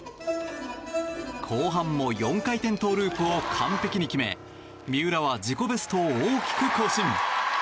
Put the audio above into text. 後半も４回転トウループを完璧に決め三浦は自己ベストを大きく更新。